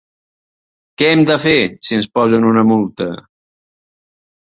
Què hem de fer si ens posen una multa?